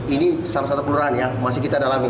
ini salah satu kelurahan yang masih kita dalami